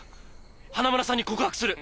花村さんに告白する。